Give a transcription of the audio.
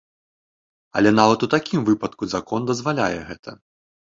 Але нават у такім выпадку закон дазваляе гэта.